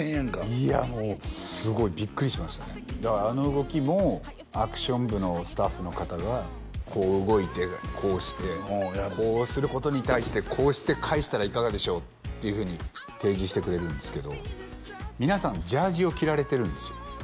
いやもうすごいビックリしましたねだからあの動きもアクション部のスタッフの方がこう動いてこうしてこうすることに対してこうして返したらいかがでしょうっていうふうに提示してくれるんですけど皆さんジャージを着られてるんですよ